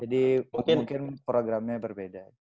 jadi mungkin programnya berbeda